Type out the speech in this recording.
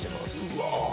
うわ！